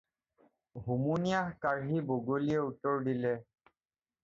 হুমুনিয়াহ কাঢ়ি বগলীয়ে উত্তৰ দিলে।